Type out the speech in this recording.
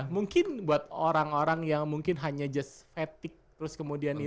mungkin buat orang orang yang mungkin hanya just fatigue terus kemudian itu